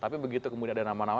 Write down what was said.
tapi begitu kemudian ada nama nama